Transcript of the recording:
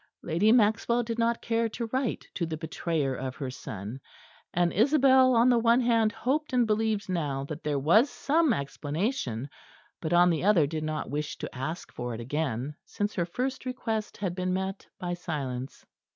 Lady Maxwell did not care to write to the betrayer of her son; and Isabel on the one hand hoped and believed now that there was some explanation, but on the other did not wish to ask for it again, since her first request had been met by silence.